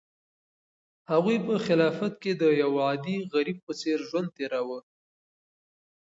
هغوی په خلافت کې د یو عادي غریب په څېر ژوند تېراوه.